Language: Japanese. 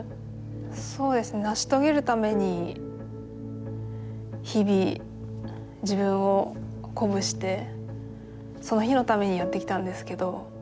そうですね成し遂げるために日々自分を鼓舞してその日のためにやってきたんですけど